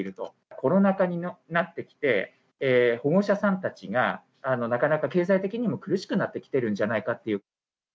コロナ禍になってきて、保護者さんたちがなかなか経済的にも苦しくなってきてるんじゃないかっていう。